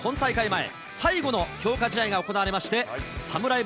前最後の強化試合が行われまして、サムライ